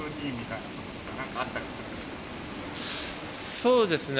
そうですね。